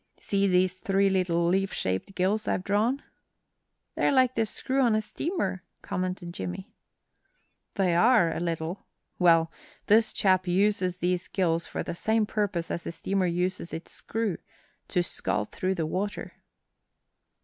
See these three little leaf shaped gills I've drawn?" "They are like the screw on a steamer," commented Jimmie. "They are, a little. Well, this chap uses these gills for the same purpose as the steamer uses its screw to scull through the water."